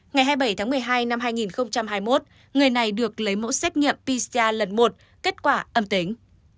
ngày hai mươi bảy tháng một mươi hai năm hai nghìn hai mươi một người này được lấy mẫu xét nghiệm pcr lần một kết quả âm tính